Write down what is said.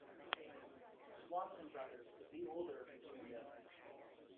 Swanson Brothers is the older of the two mills.